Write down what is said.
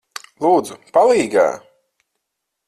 Lūdzu, palīgā!